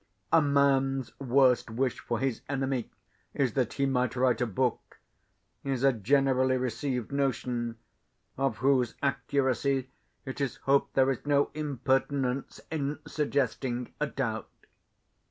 "A man's worst wish for his enemy is that he might write a book," is a generally received notion, of whose accuracy it is hoped there is no impertinence in suggesting a doubt.